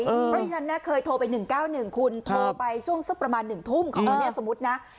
เพราะฉะนั้นเคยโทรไป๑๙๑คุณโทรไปช่วงสักประมาณ๑ทุ่มของวันนี้สมมุตินะ